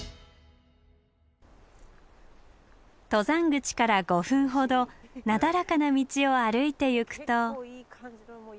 登山口から５分ほどなだらかな道を歩いてゆくと。